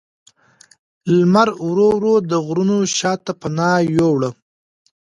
لمر ورو ورو د غرونو شا ته پناه یووړه